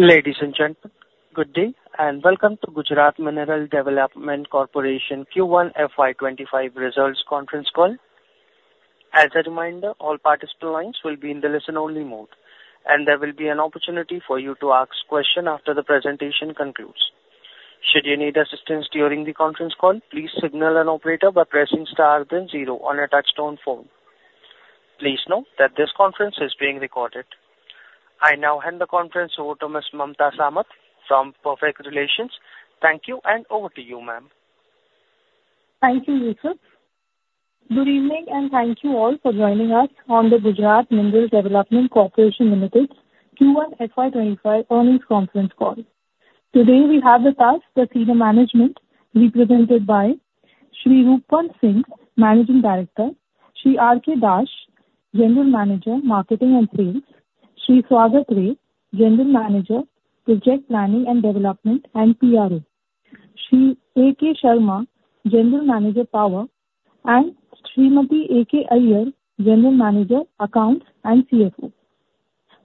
Ladies and gentlemen, good day and welcome to Gujarat Mineral Development Corporation Q1 FY2025 Results Conference Call. As a reminder, all participant lines will be in the listen-only mode, and there will be an opportunity for you to ask questions after the presentation concludes. Should you need assistance during the conference call, please signal an operator by pressing star then zero on a touch-tone phone. Please note that this conference is being recorded. I now hand the conference over to Ms. Mamta Samat from Perfect Relations. Thank you, and over to you, ma'am. Thank you, Yusuf. Good evening, and thank you all for joining us on the Gujarat Mineral Development Corporation Limited Q1 FY25 Earnings Conference Call. Today, we have with us the senior management represented by Sri Roopwant Singh, Managing Director, Sri R. K. Dash, General Manager, Marketing and Sales, Sri Swagat Ray, General Manager, Project Planning and Development and PRO, Sri A. K. Sharma, General Manager, Power, and Srimati Anupama Iyer, General Manager, Accounts and CFO.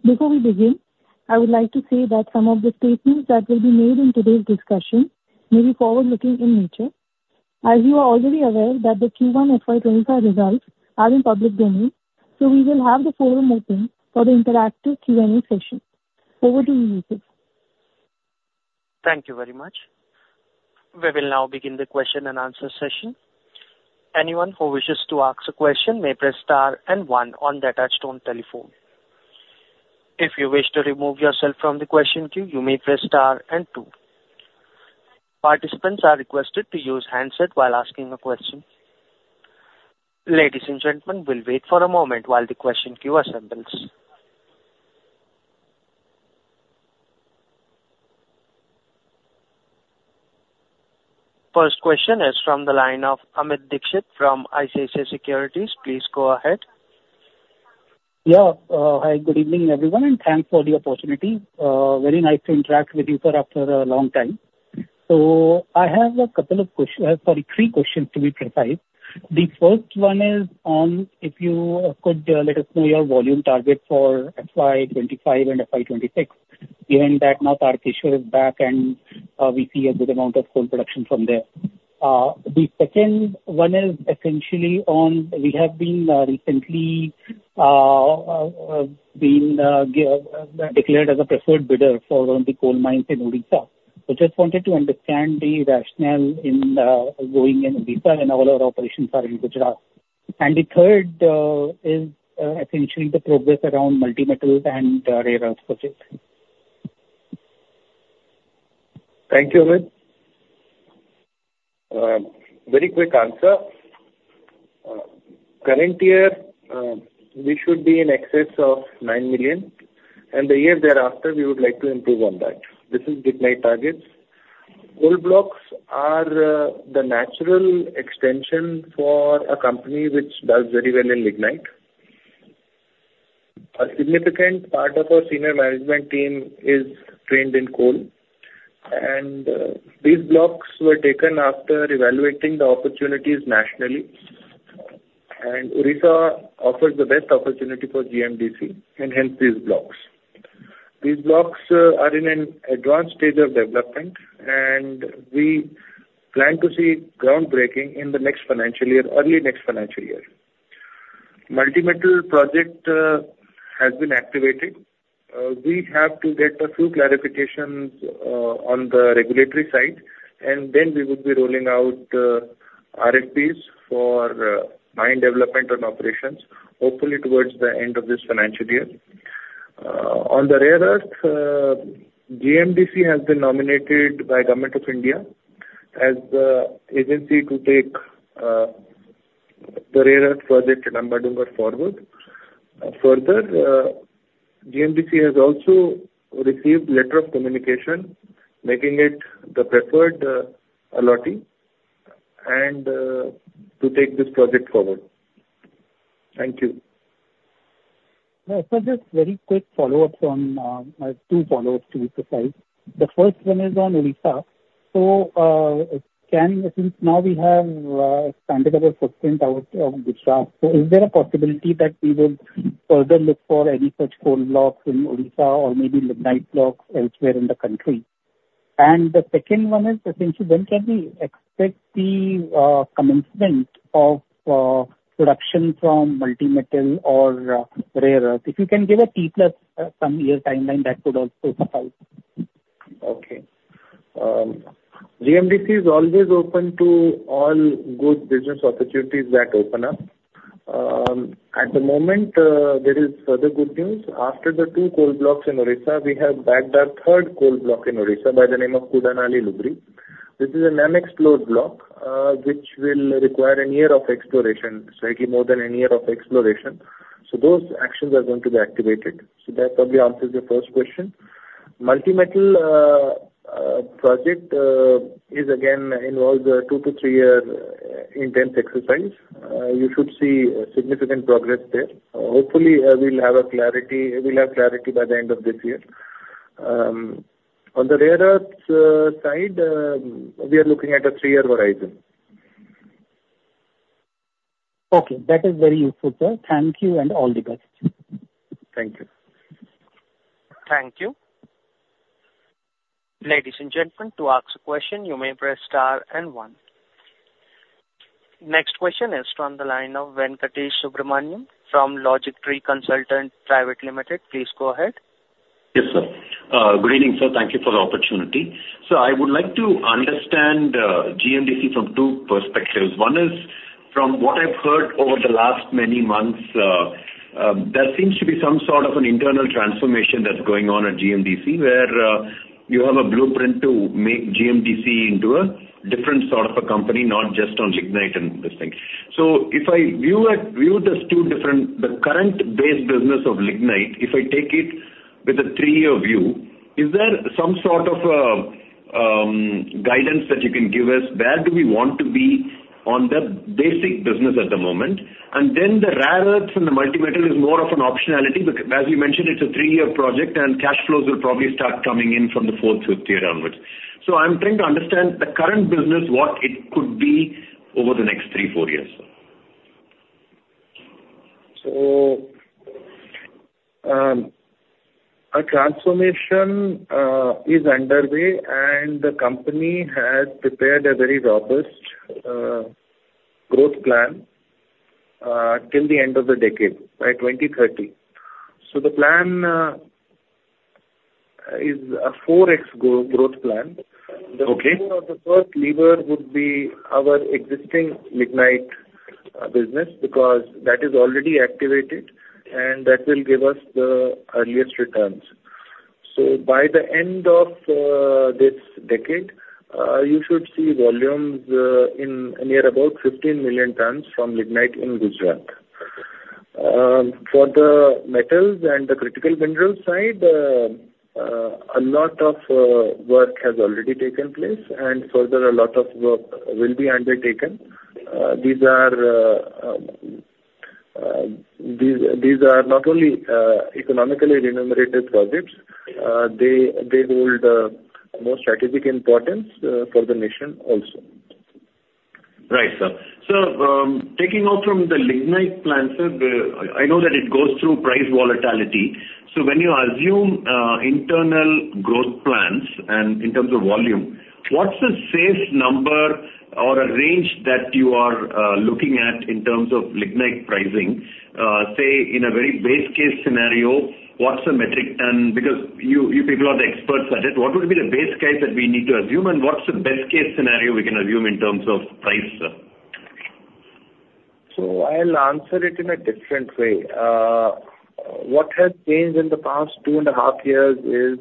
Before we begin, I would like to say that some of the statements that will be made in today's discussion may be forward-looking in nature. As you are already aware that the Q1 FY2025 results are in public domain, so we will have the forum open for the interactive Q&A session. Over to you, Yusuf. Thank you very much. We will now begin the question and answer session. Anyone who wishes to ask a question may press star and one on the touch-tone telephone. If you wish to remove yourself from the question queue, you may press star and two. Participants are requested to use handset while asking a question. Ladies and gentlemen, we'll wait for a moment while the question queue assembles. First question is from the line of Amit Dixit from ICICI Securities. Please go ahead. Yeah, hi, good evening everyone, and thanks for the opportunity. Very nice to interact with you for after a long time. So I have a couple of questions, sorry, three questions to be precise. The first one is on if you could let us know your volume target for FY2025 and FY2026, given that Akrimota is back and we see a good amount of coal production from there. The second one is essentially on we have been recently declared as a preferred bidder for one of the coal mines in Odisha. So just wanted to understand the rationale in going in Odisha and all our operations are in Gujarat. And the third is essentially the progress around multi-metal and Rare Earth projects. Thank you, Amit. Very quick answer. Current year, we should be in excess of nine million, and the year thereafter, we would like to improve on that. This is lignite targets. Coal blocks are the natural extension for a company which does very well in lignite. A significant part of our senior management team is trained in coal, and these blocks were taken after evaluating the opportunities nationally. Odisha offers the best opportunity for GMDC, and hence these blocks. These blocks are in an advanced stage of development, and we plan to see groundbreaking in the next financial year, early next financial year. Multi-metal project has been activated. We have to get a few clarifications on the regulatory side, and then we would be rolling out RFPs for mine development and operations, hopefully towards the end of this financial year. On the rare earth, GMDC has been nominated by Government of India as the agency to take the rare earth project in Ambadungar forward. Further, GMDC has also received a letter of communication making it the preferred allottee to take this project forward. Thank you. Sir, just very quick follow-ups on two follow-ups to be precise. The first one is on Odisha. So since now we have expanded our footprint out of Gujarat, so is there a possibility that we would further look for any such coal blocks in Odisha or maybe Lignite blocks elsewhere in the country? And the second one is essentially, when can we expect the commencement of production from multi-metal or rare earth? If you can give a T plus some year timeline, that would also help. Okay. GMDC is always open to all good business opportunities that open up. At the moment, there is further good news. After the 2 coal blocks in Odisha, we have backed our third coal block in Odisha by the name of Kudanali-Luburi. This is an unexplored block which will require a year of exploration, slightly more than a year of exploration. So those actions are going to be activated. So that probably answers your first question. Multi-metal project is, again, involves a 2-3-year intense exercise. You should see significant progress there. Hopefully, we'll have clarity by the end of this year. On the rare earth side, we are looking at a 3-year horizon. Okay. That is very useful, sir. Thank you, and all the best. Thank you. Thank you. Ladies and gentlemen, to ask a question, you may press star and one. Next question is from the line of Venkatesh Subramaniam from LogicTree Consultants Private Limited. Please go ahead. Yes, sir. Good evening, sir. Thank you for the opportunity. So I would like to understand GMDC from two perspectives. One is from what I've heard over the last many months, there seems to be some sort of an internal transformation that's going on at GMDC where you have a blueprint to make GMDC into a different sort of a company, not just on Lignite and this thing. So if I view the current base business of Lignite, if I take it with a three-year view, is there some sort of guidance that you can give us where do we want to be on the basic business at the moment? And then the rare earth and the multi-metal is more of an optionality because, as you mentioned, it's a three-year project and cash flows will probably start coming in from the fourth, fifth year onwards. I'm trying to understand the current business, what it could be over the next 3-4 years. A transformation is underway, and the company has prepared a very robust growth plan till the end of the decade, by 2030. The plan is a 4X growth plan. The first lever would be our existing Lignite business because that is already activated, and that will give us the earliest returns. By the end of this decade, you should see volumes in near about 15 million tons from Lignite in Gujarat. For the metals and the critical minerals side, a lot of work has already taken place, and further, a lot of work will be undertaken. These are not only economically remunerative projects. They hold more strategic importance for the nation also. Right, sir. So taking off from the Lignite plan, sir, I know that it goes through price volatility. So when you assume internal growth plans and in terms of volume, what's the safe number or a range that you are looking at in terms of Lignite pricing? Say in a very base case scenario, what's the metric ton? Because you people are the experts at it. What would be the base case that we need to assume, and what's the best case scenario we can assume in terms of price, sir? So I'll answer it in a different way. What has changed in the past 2.5 years is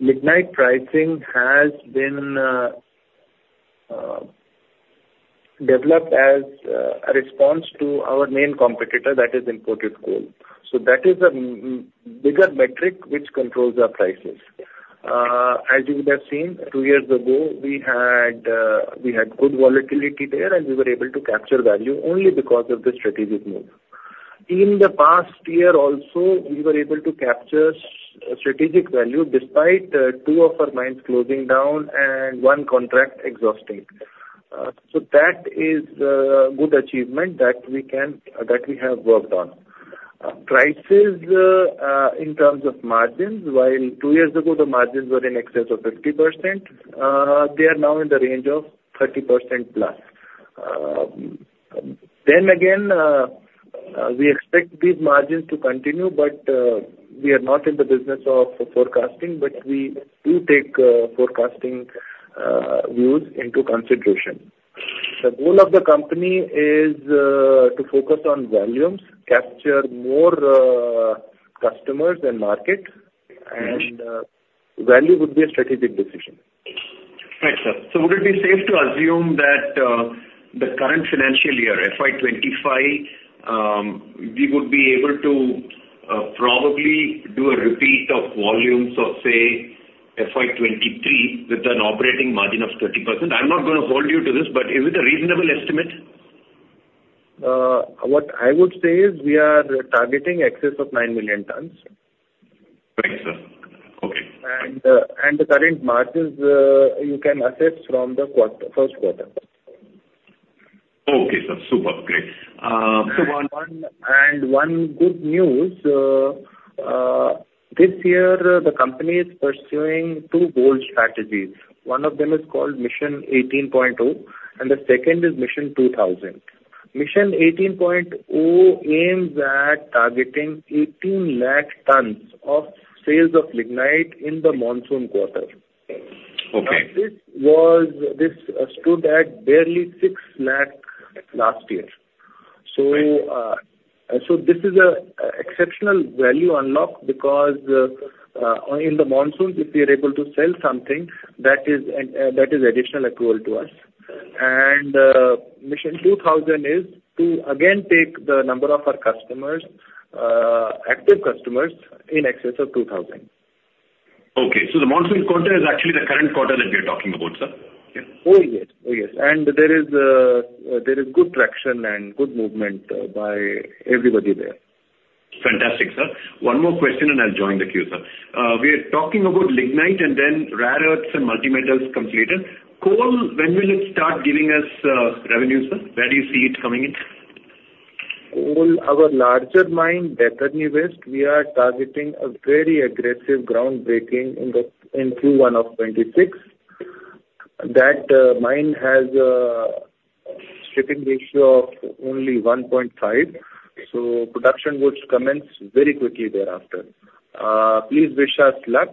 lignite pricing has been developed as a response to our main competitor that is imported coal. So that is a bigger metric which controls our prices. As you would have seen, 2 years ago, we had good volatility there, and we were able to capture value only because of the strategic move. In the past year also, we were able to capture strategic value despite two of our mines closing down and one contract exhausting. So that is a good achievement that we have worked on. Prices in terms of margins, while 2 years ago, the margins were in excess of 50%, they are now in the range of 30%+. Then again, we expect these margins to continue, but we are not in the business of forecasting, but we do take forecasting views into consideration. The goal of the company is to focus on volumes, capture more customers and market, and value would be a strategic decision. Thanks, sir. So would it be safe to assume that the current financial year, FY2025, we would be able to probably do a repeat of volumes of, say, FY2023 with an operating margin of 30%? I'm not going to hold you to this, but is it a reasonable estimate? What I would say is we are targeting excess of 9 million tons. Thanks, sir. Okay. The current margins, you can assess from the first quarter. Okay, sir. Super. Great. One good news, this year, the company is pursuing 2 bold strategies. One of them is called Mission 18.0, and the second is Mission 2000. Mission 18.0 aims at targeting 18 lakh tons of sales of lignite in the monsoon quarter. This stood at barely 6 lakh last year. So this is an exceptional value unlock because in the monsoon, if we are able to sell something, that is additional accrual to us. Mission 2000 is to, again, take the number of our customers, active customers, in excess of 2,000. Okay. So the monsoon quarter is actually the current quarter that you're talking about, sir? Oh, yes. Oh, yes. And there is good traction and good movement by everybody there. Fantastic, sir. One more question, and I'll join the queue, sir. We are talking about Lignite and then rare earths and multi-metals completed. Coal, when will it start giving us revenue, sir? Where do you see it coming in? Coal, our larger mine, Baitarani West, we are targeting a very aggressive groundbreaking in Q1 of 2026. That mine has a stripping ratio of only 1.5, so production would commence very quickly thereafter. Please wish us luck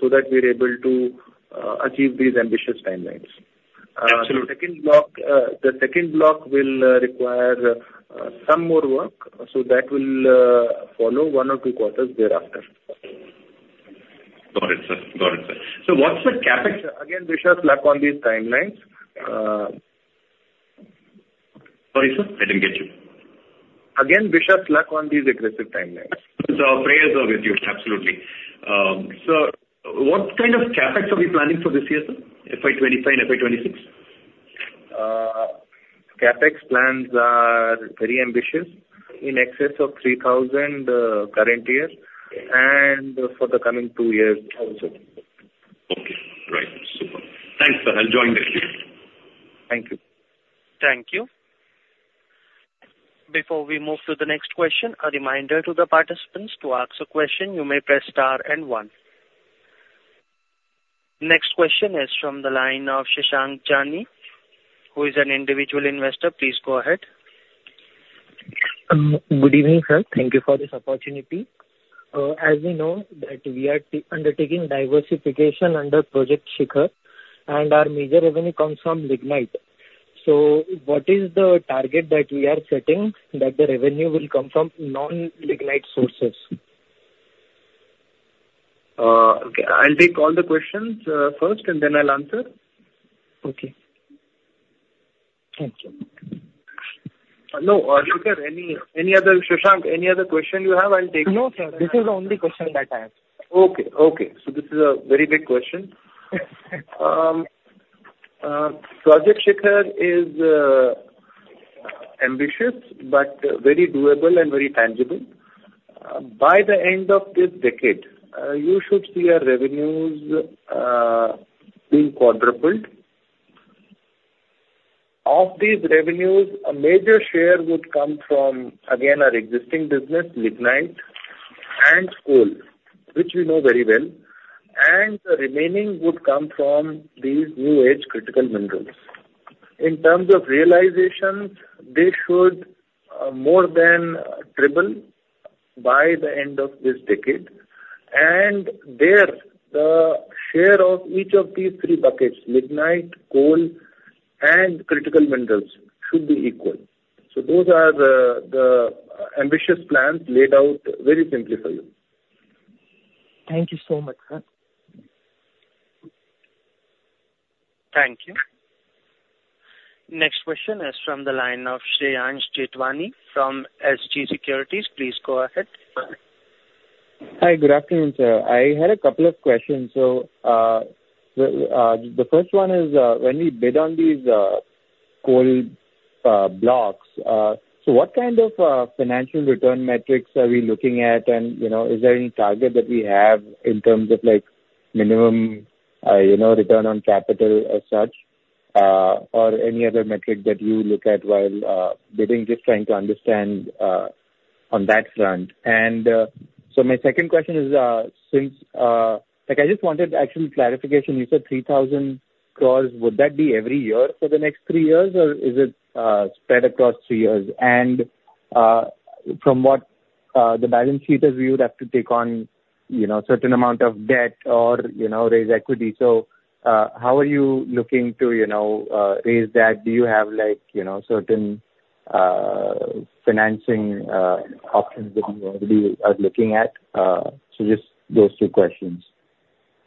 so that we're able to achieve these ambitious timelines. Absolutely. The second block will require some more work, so that will follow 1 or 2 quarters thereafter. Got it, sir. Got it, sir. So what's the cap? Again, wish us luck on these timelines. Sorry, sir? I didn't get you. Again, wish us luck on these aggressive timelines. So prayers are with you. Absolutely. So what kind of CapEx are we planning for this year, sir? FY2025 and FY2026? CapEx plans are very ambitious, in excess of 3,000 current year and for the coming two years also. Okay. Right. Super. Thanks, sir. I'll join the queue. Thank you. Thank you. Before we move to the next question, a reminder to the participants to ask a question. You may press star and one. Next question is from the line of Shashank Jani, who is an individual investor. Please go ahead. Good evening, sir. Thank you for this opportunity. As we know, we are undertaking diversification under Project Shikhar, and our major revenue comes from lignite. So what is the target that we are setting that the revenue will come from non-lignite sources? Okay. I'll take all the questions first, and then I'll answer. Okay. Thank you. No, Shashank, any other question you have? I'll take it. No, sir. This is the only question that I have. Okay. Okay. So this is a very big question. Project Shikhar is ambitious but very doable and very tangible. By the end of this decade, you should see our revenues being quadrupled. Of these revenues, a major share would come from, again, our existing business, lignite, and coal, which we know very well. And the remaining would come from these new-age critical minerals. In terms of realizations, they should more than triple by the end of this decade. And there, the share of each of these three buckets, lignite, coal, and critical minerals, should be equal. So those are the ambitious plans laid out very simply for you. Thank you so much, sir. Thank you. Next question is from the line of Shreyansh Jethwani from S.J. Securities. Please go ahead. Hi. Good afternoon, sir. I had a couple of questions. So the first one is, when we bid on these coal blocks, so what kind of financial return metrics are we looking at? And is there any target that we have in terms of minimum return on capital as such, or any other metric that you look at while bidding? Just trying to understand on that front. And so my second question is, since I just wanted actual clarification. You said 3,000 crore. Would that be every year for the next 3 years, or is it spread across 3 years? And from what the balance sheet is, we would have to take on a certain amount of debt or raise equity. So how are you looking to raise that? Do you have certain financing options that you are looking at? So just those two questions.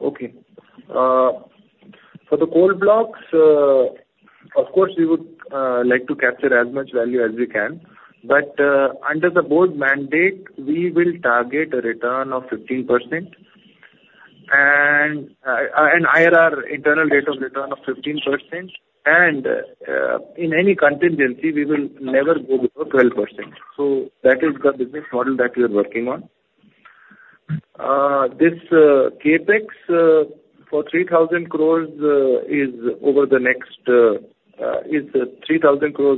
Okay. For the coal blocks, of course, we would like to capture as much value as we can. But under the board mandate, we will target a return of 15% and IRR, internal rate of return of 15%. And in any contingency, we will never go below 12%. So that is the business model that we are working on. This CapEx for 3,000 crore is over the next 3,000 crore,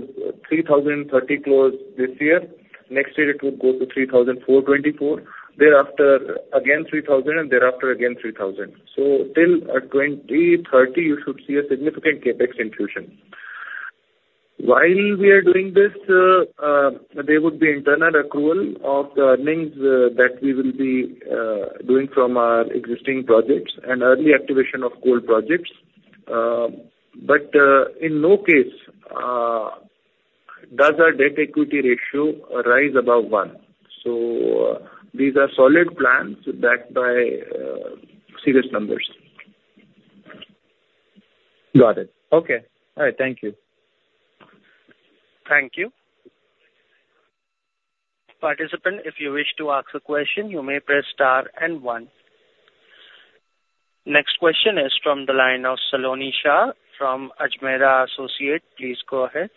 3,030 crore this year. Next year, it would go to 3,424 crore. Thereafter, again 3,000 crore, and thereafter again 3,000 crore. So till 2030, you should see a significant CapEx infusion. While we are doing this, there would be internal accrual of the earnings that we will be doing from our existing projects and early activation of coal projects. But in no case, does our debt equity ratio rise above one? So these are solid plans backed by serious numbers. Got it. Okay. All right. Thank you. Thank you. Participant, if you wish to ask a question, you may press star and one. Next question is from the line of Saloni Shah from Ajmera Associates. Please go ahead.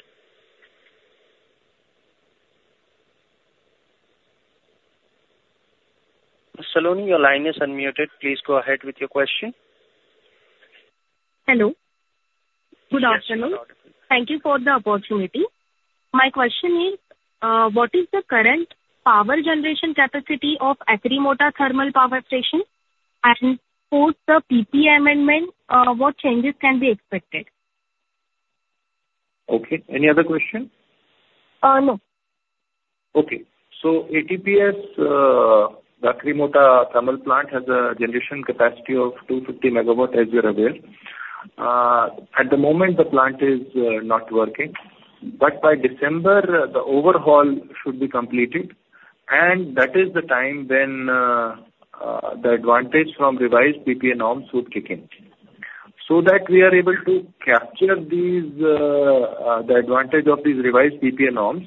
Saloni, your line is unmuted. Please go ahead with your question. Hello. Good afternoon. Thank you for the opportunity. My question is, what is the current power generation capacity of Akrimota Thermal Power Station? And for the PPA amendment, what changes can be expected? Okay. Any other question? No. Okay. So ATPS, the Akrimota thermal plant has a generation capacity of 250 megawatts, as you're aware. At the moment, the plant is not working. But by December, the overhaul should be completed. And that is the time when the advantage from revised PPA norms would kick in. So that we are able to capture the advantage of these revised PPA norms,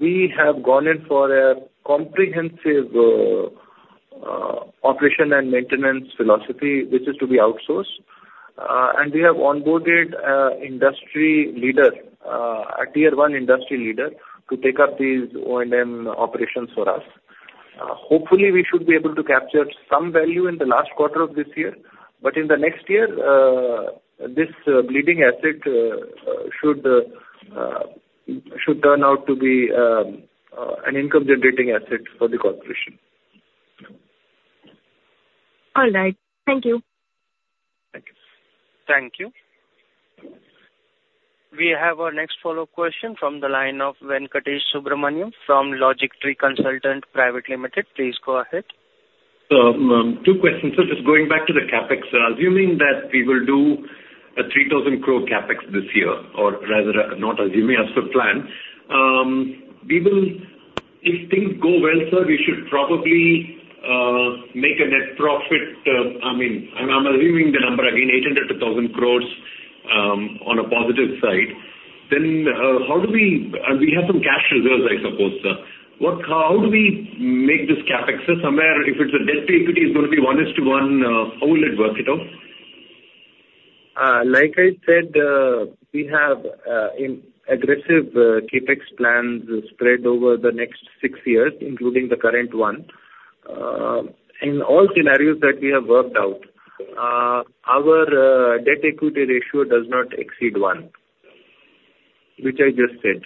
we have gone in for a comprehensive operation and maintenance philosophy, which is to be outsourced. And we have onboarded a Tier 1 industry leader to take up these O&M operations for us. Hopefully, we should be able to capture some value in the last quarter of this year. But in the next year, this bleeding asset should turn out to be an income-generating asset for the corporation. All right. Thank you. Thank you. Thank you. We have our next follow-up question from the line of Venkatesh Subramaniam from Logic Tree Consultants Private Limited. Please go ahead. So two questions. So just going back to the CapEx, assuming that we will do 3,000 crore CapEx this year, or rather not assuming, that's the plan. If things go well, sir, we should probably make a net profit. I mean, I'm assuming the number, again, 800 crore-1,000 crore on a positive side. Then how do we—and we have some cash reserves, I suppose, sir. How do we make this CapEx? Somewhere, if it's a debt to equity, it's going to be 1:1. How will it work, though? Like I said, we have aggressive CapEx plans spread over the next six years, including the current one. In all scenarios that we have worked out, our debt equity ratio does not exceed one, which I just said.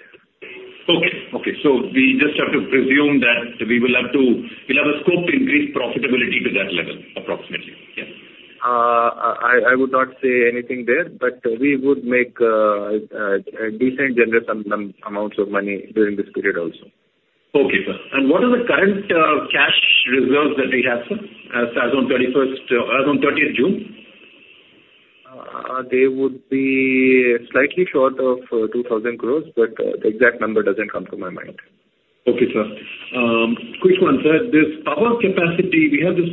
Okay. Okay. So we just have to presume that we'll have a scope to increase profitability to that level, approximately. Yeah. I would not say anything there, but we would make decent generation amounts of money during this period also. Okay, sir. What are the current cash reserves that we have, sir? As of 30th June? They would be slightly short of 2,000 crore, but the exact number doesn't come to my mind. Okay, sir. Quick one, sir. This power capacity, we have this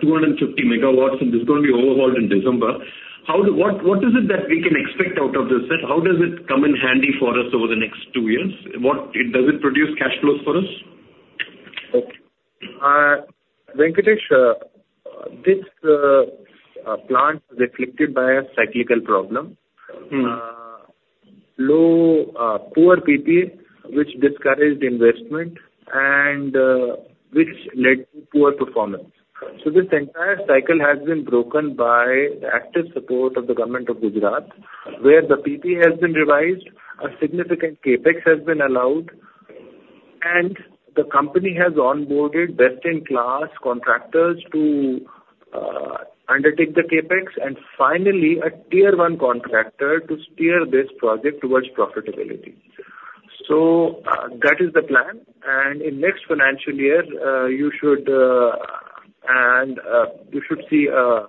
250 MW, and it's going to be overhauled in December. What is it that we can expect out of this? How does it come in handy for us over the next two years? Does it produce cash flows for us? Okay. Venkatesh, this plant is afflicted by a cyclical problem: low poor PPA, which discouraged investment, and which led to poor performance. So this entire cycle has been broken by active support of the government of Gujarat, where the PPA has been revised, a significant CapEx has been allowed, and the company has onboarded best-in-class contractors to undertake the CapEx, and finally, a Tier 1 contractor to steer this project towards profitability. So that is the plan. And in the next financial year, you should see a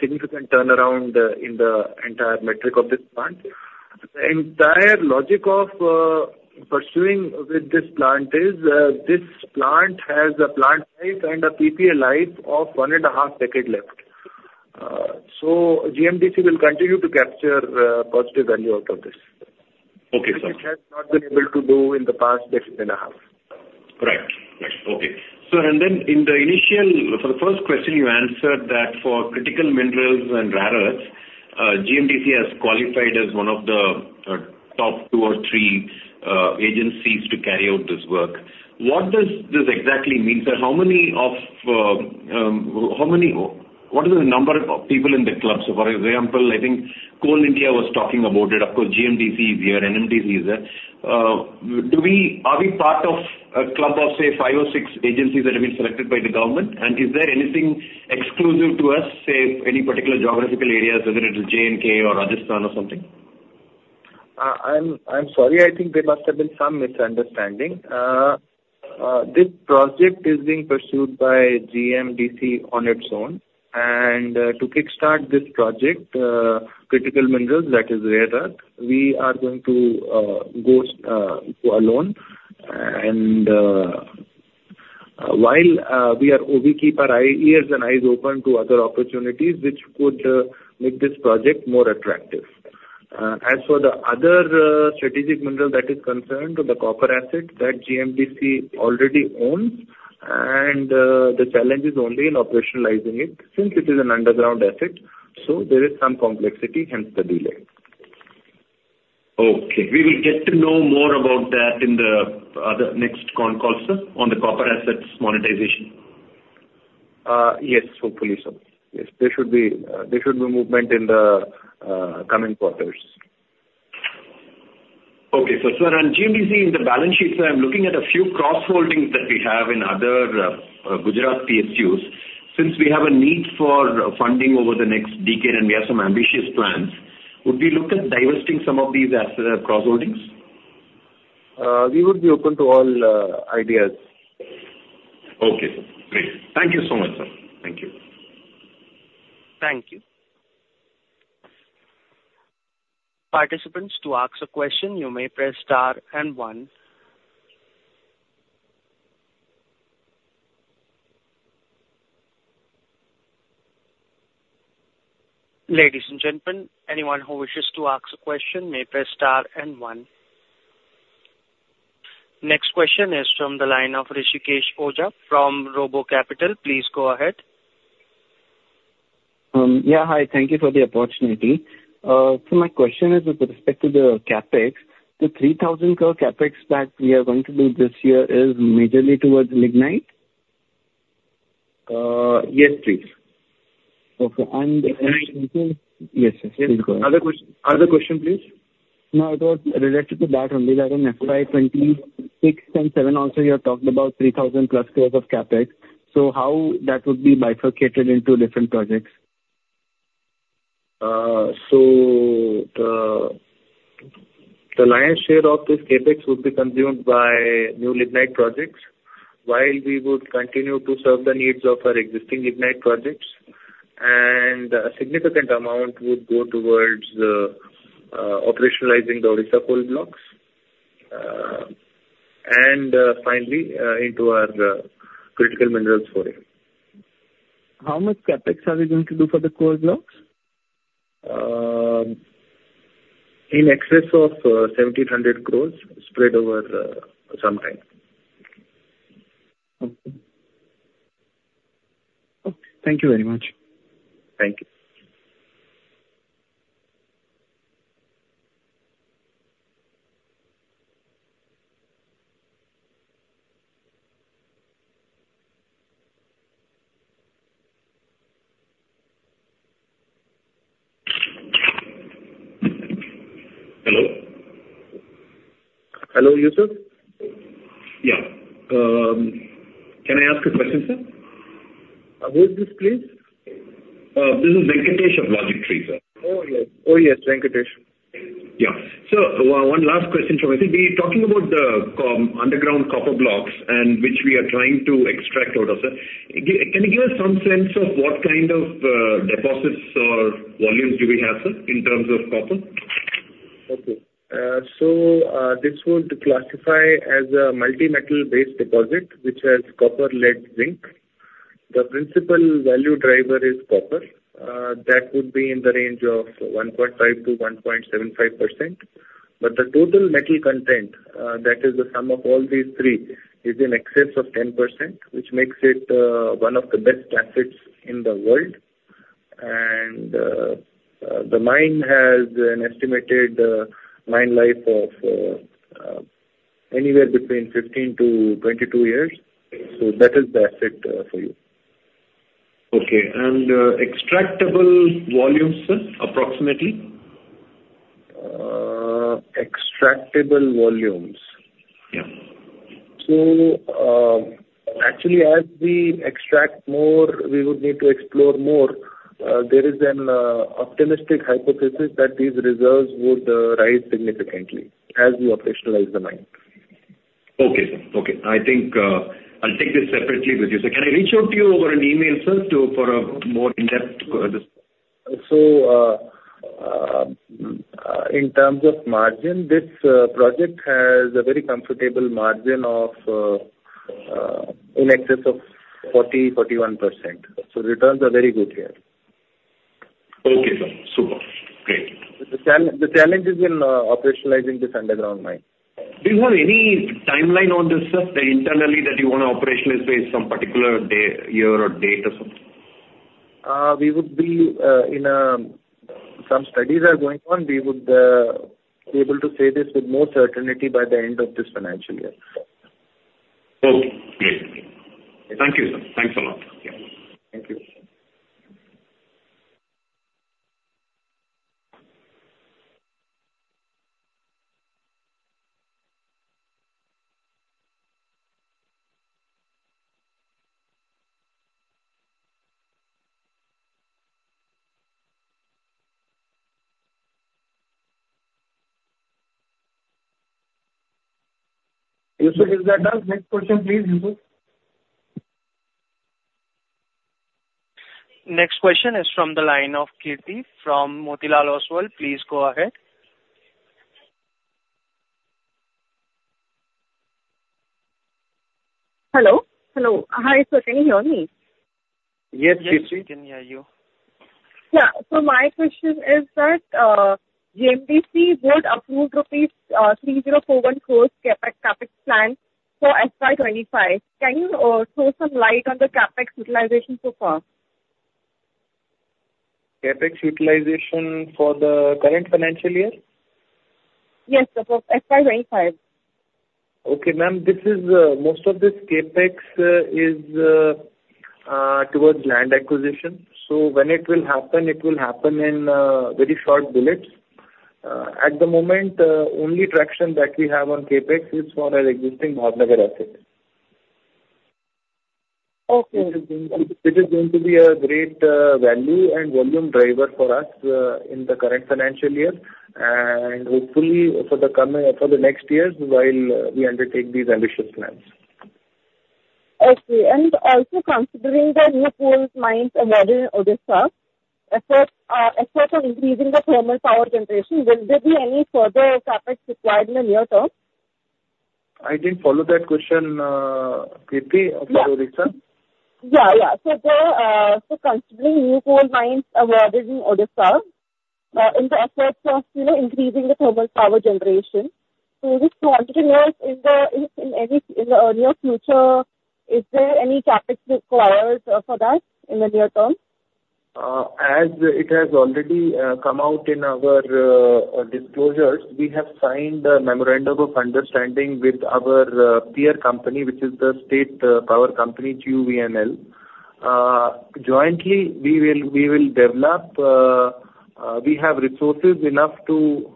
significant turnaround in the entire metric of this plant. The entire logic of pursuing with this plant is this plant has a plant life and a PPA life of one and a half decades left. So GMDC will continue to capture positive value out of this, which it has not been able to do in the past decade and a half. Right. Right. Okay. Sir, and then in the initial—for the first question, you answered that for critical minerals and rare earths, GMDC has qualified as one of the top two or three agencies to carry out this work. What does this exactly mean, sir? How many of—what is the number of people in the club? So, for example, I think Coal India was talking about it. Of course, GMDC is here, NMDC is there. Are we part of a club of, say, five or six agencies that have been selected by the government? And is there anything exclusive to us, say, any particular geographical areas, whether it is J&K or Rajasthan or something? I'm sorry. I think there must have been some misunderstanding. This project is being pursued by GMDC on its own. And to kickstart this project, critical minerals, that is rare earth, we are going to go alone. And while we are keeping our ears and eyes open to other opportunities, which could make this project more attractive. As for the other strategic mineral that is concerned, the copper asset that GMDC already owns, the challenge is only in operationalizing it since it is an underground asset. So there is some complexity, hence the delay. Okay. We will get to know more about that in the next call, sir, on the copper assets monetization. Yes, hopefully so. Yes. There should be movement in the coming quarters. Okay. So, sir, on GMDC, in the balance sheet, sir, I'm looking at a few cross-holdings that we have in other Gujarat PSUs. Since we have a need for funding over the next decade and we have some ambitious plans, would we look at divesting some of these cross-holdings? We would be open to all ideas. Okay. Great. Thank you so much, sir. Thank you. Thank you. Participants, to ask a question, you may press star and one. Ladies and gentlemen, anyone who wishes to ask a question may press star and one. Next question is from the line of Rishikesh Oza from RoboCapital. Please go ahead. Yeah. Hi. Thank you for the opportunity. So my question is with respect to the CapEx, the 3,000 crore CapEx that we are going to do this year is majorly towards Lignite? Yes, please. Okay and, Yes, please go ahead. Other question, please? No, it was related to that only. That in FY 2026 and 2027, also, you had talked about 3,000+ crore of CapEx. So how that would be bifurcated into different projects? So the lion's share of this CapEx would be consumed by new lignite projects, while we would continue to serve the needs of our existing lignite projects. And a significant amount would go towards operationalizing the Odisha coal blocks and finally into our critical minerals for it. How much CapEx are we going to do for the coal blocks? In excess of 1,700 crore spread over some time. Okay. Okay. Thank you very much. Thank you. Hello? Hello, Yes sir? Yeah. Can I ask a question, sir? Who is this, please? This is Venkatesh of Logic Tree, sir. Oh, yes. Oh, yes. Venkatesh. Yeah. So one last question from me. We're talking about the underground copper blocks which we are trying to extract out of, sir. Can you give us some sense of what kind of deposits or volumes do we have, sir, in terms of copper? Okay. So this would classify as a multi-metal-based deposit, which has copper-lead-zinc. The principal value driver is copper. That would be in the range of 1.5%-1.75%. But the total metal content, that is the sum of all these three, is in excess of 10%, which makes it one of the best assets in the world. And the mine has an estimated mine life of anywhere between 15-22 years. So that is the asset for you. Okay. And extractable volumes, sir, approximately? Extractable volumes. Yeah. Actually, as we extract more, we would need to explore more. There is an optimistic hypothesis that these reserves would rise significantly as we operationalize the mine. Okay, sir. Okay. I'll take this separately with you, sir. Can I reach out to you over an email, sir, for a more in-depth? So in terms of margin, this project has a very comfortable margin of in excess of 40%-41%. So returns are very good here. Okay, sir. Super. Great. The challenge is in operationalizing this underground mine. Do you have any timeline on this, sir, internally that you want to operationalize based on a particular year or date or something? We would be in some studies are going on. We would be able to say this with more certainty by the end of this financial year. Okay. Great. Thank you, sir. Thanks a lot. Thank you. Yusuf, is that done? Next question, please, Yusuf. Next question is from the line of Kirti from Motilal Oswal. Please go ahead. Hello. Hello. Hi, sir. Can you hear me? Yes, please, sir. Yes, we can hear you. Yeah. So my question is that GMDC would approve rupees 3,041 crore CapEx plan for FY 2025. Can you throw some light on the CapEx utilization so far? CapEx utilization for the current financial year? Yes, sir, for FY 2025. Okay, ma'am. Most of this CapEx is towards land acquisition. So when it will happen, it will happen in very short bullets. At the moment, only traction that we have on CapEx is for our existing Bhavnagar assets. Okay. Which is going to be a great value and volume driver for us in the current financial year. And hopefully, for the next years, while we undertake these ambitious plans. Okay. And also considering the new coal mines available in Odisha, efforts of increasing the thermal power generation, will there be any further CapEx required in the near term? I didn't follow that question, Kirti, for Odisha. Yeah. Yeah. So considering new coal mines available in Odisha in the efforts of increasing the thermal power generation, we just wanted to know if in the near future, is there any CapEx required for that in the near term? As it has already come out in our disclosures, we have signed a memorandum of understanding with our peer company, which is the state power company, GUVNL. Jointly, we have resources enough to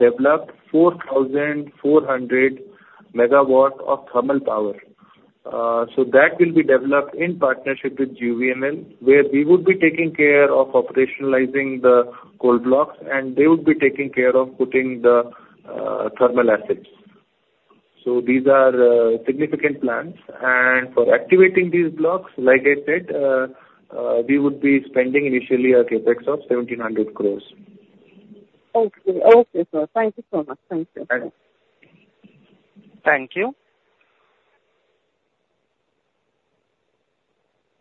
develop 4,400 megawatts of thermal power. So that will be developed in partnership with GUVNL, where we would be taking care of operationalizing the coal blocks, and they would be taking care of putting the thermal assets. So these are significant plans. And for activating these blocks, like I said, we would be spending initially a CapEx of 1,700 crore. Okay. Okay, sir. Thank you so much. Thank you. Thank you.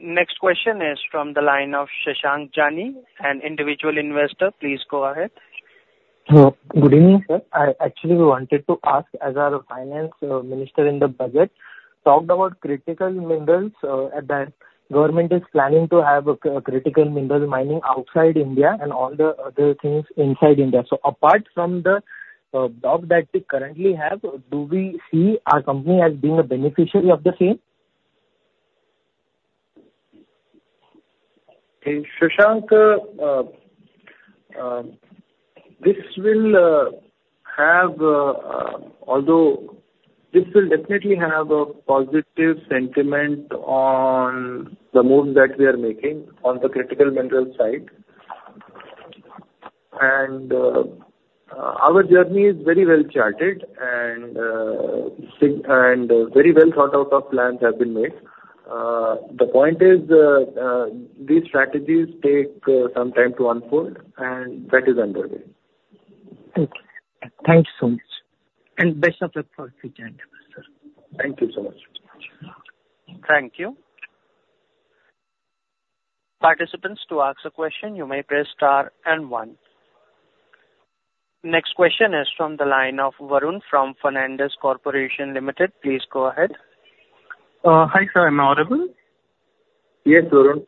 Next question is from the line of Shashank Jani, an individual investor. Please go ahead. Good evening, sir. Actually, we wanted to ask as our finance minister in the budget talked about critical minerals that the government is planning to have a critical mineral mining outside India and all the other things inside India. So apart from the block that we currently have, do we see our company as being a beneficiary of the same? Shashank, this will have although this will definitely have a positive sentiment on the move that we are making on the critical mineral side. Our journey is very well charted, and very well thought-out plans have been made. The point is these strategies take some time to unfold, and that is underway. Okay. Thank you so much. Best of luck for the agenda, sir. Thank you so much. Thank you. Participants, to ask a question, you may press star and one. Next question is from the line of Varun from Fernandes Corporation Limited. Please go ahead. Hi, sir. Am I audioble? Yes, Varun.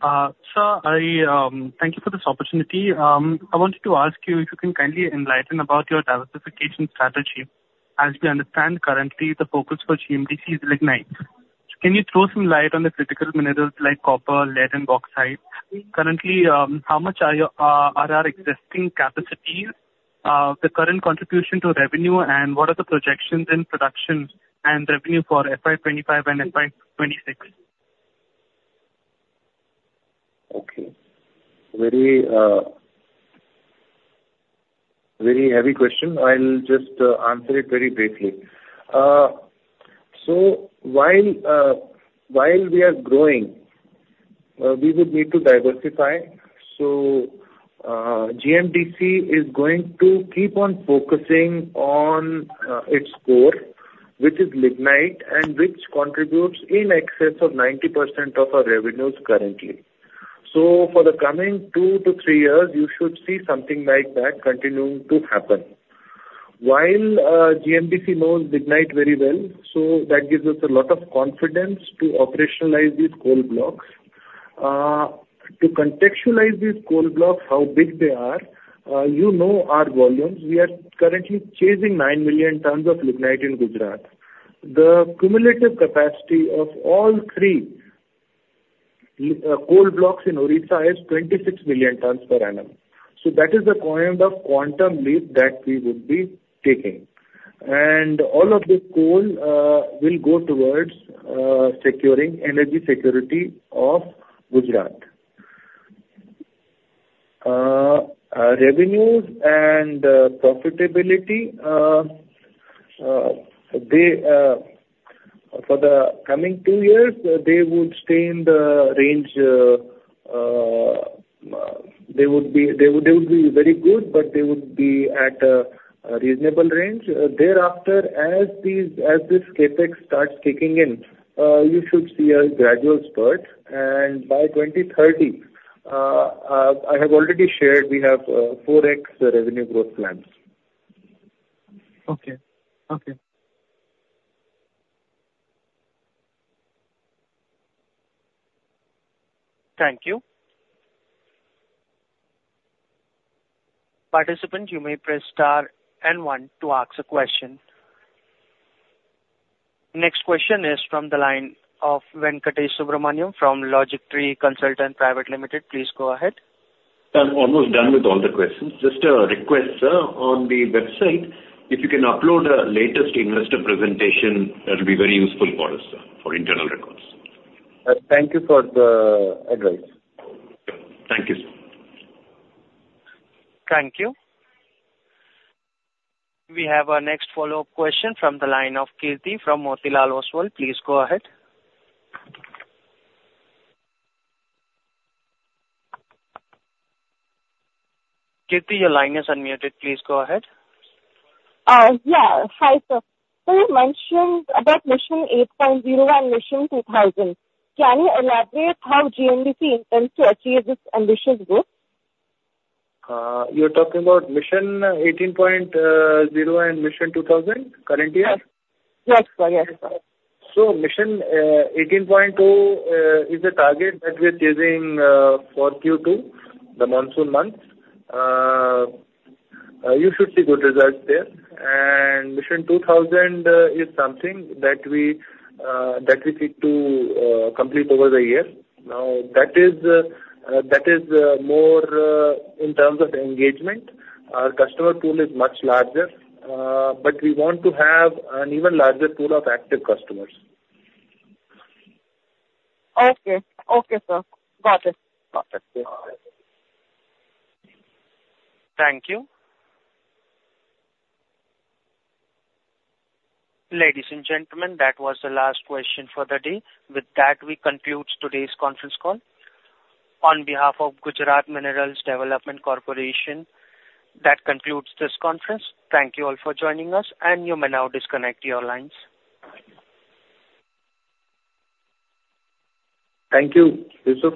Sir, thank you for this opportunity. I wanted to ask you if you can kindly enlighten about your diversification strategy. As we understand, currently, the focus for GMDC is lignite. Can you throw some light on the critical minerals like copper, lead, and bauxite? Currently, how much are our existing capacity? The current contribution to revenue, and what are the projections in production and revenue for FY 2025 and FY 2026? Okay. Very heavy question. I'll just answer it very briefly. So while we are growing, we would need to diversify. So GMDC is going to keep on focusing on its core, which is lignite, and which contributes in excess of 90% of our revenues currently. So for the coming 2-3 years, you should see something like that continuing to happen. While GMDC knows lignite very well, so that gives us a lot of confidence to operationalize these coal blocks. To contextualize these coal blocks, how big they are, you know our volumes. We are currently chasing 9 million tons of lignite in Gujarat. The cumulative capacity of all three coal blocks in Odisha is 26 million tons per annum. So that is the kind of quantum leap that we would be taking. And all of this coal will go towards securing energy security of Gujarat. Revenues and profitability, for the coming two years, they would stay in the range they would be very good, but they would be at a reasonable range. Thereafter, as this CapEx starts kicking in, you should see a gradual spurt. By 2030, I have already shared we have 4x revenue growth plans. Okay. Okay. Thank you. Participants, you may press star and one to ask a question. Next question is from the line of Venkatesh Subramaniam from Logic Tree Consultants Private Limited. Please go ahead. I'm almost done with all the questions. Just a request, sir, on the website, if you can upload a latest investor presentation, that would be very useful for us for internal records. Thank you for the advice. Thank you, sir. Thank you. We have our next follow-up question from the line of Kirti from Motilal Oswal. Please go ahead. Kirti, your line is unmuted. Please go ahead. Yeah. Hi, sir. When you mentioned about Mission 18.0 and Mission 2000, can you elaborate how GMDC intends to achieve this ambitious goal? You're talking about Mission 18.0 and Mission 2000 current year? Yes. Yes, sir. Yes, sir. So Mission 18.0 is a target that we are chasing for Q2, the monsoon months. You should see good results there. And Mission 2000 is something that we seek to complete over the year. Now, that is more in terms of engagement. Our customer pool is much larger, but we want to have an even larger pool of active customers. Okay. Okay, sir. Got it. Got it. Thank you. Ladies and gentlemen, that was the last question for the day. With that, we conclude today's conference call. On behalf of Gujarat Mineral Development Corporation, that concludes this conference. Thank you all for joining us, and you may now disconnect your lines. Thank you.